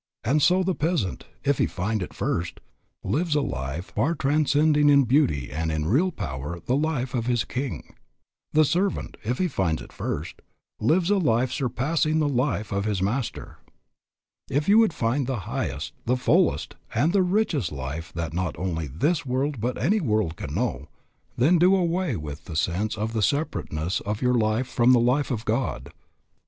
And so the peasant, if he find it first, lives a life far transcending in beauty and in real power the life of his king. The servant, if he find it first, lives a life surpassing the life of his master. If you would find the highest, the fullest, and the richest life that not only this world but that any world can know, then do away with the sense of the separateness of your life from the life of God.